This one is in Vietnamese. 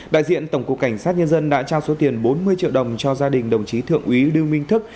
đại diện tổng cục cảnh sát nhân dân đã trao số tiền bốn mươi triệu đồng cho gia đình đồng chí thượng úy đư minh thức